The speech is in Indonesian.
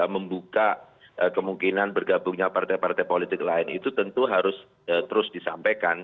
membuka kemungkinan bergabungnya partai partai politik lain itu tentu harus terus disampaikan